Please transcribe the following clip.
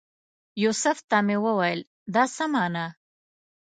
یوسف ته مې وویل دا څه مانا؟